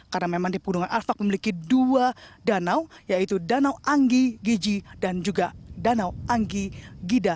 karena memang di pegunungan arfak memiliki dua danau yaitu danau anggi giji dan juga danau anggi gida